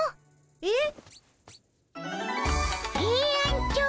えっ？